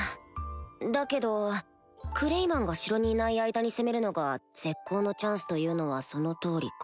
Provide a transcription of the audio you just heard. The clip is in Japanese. だけどクレイマンが城にいない間に攻めるのが絶好のチャンスというのはその通りか